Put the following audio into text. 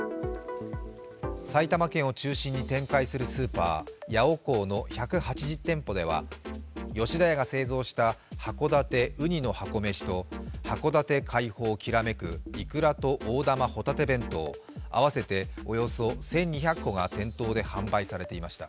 埼玉県を中心に展開するスーパーヤオコーの１８０店舗では吉田屋が製造した函館うにの箱めしと函館海宝煌めくイクラと大玉ほたて弁当、合わせておよそ１２００個が店頭で販売されていました。